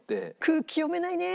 空気読めないね。